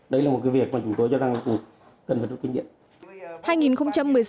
đấy là một cái việc mà chúng tôi cho rằng là cũng cần phải được kinh nghiệm